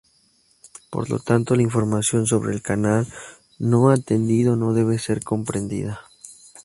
Por lo tanto, la información sobre el canal no-atendido no debe ser comprendida.